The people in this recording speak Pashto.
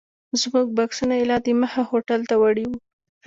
زموږ بکسونه یې لا دمخه هوټل ته وړي وو.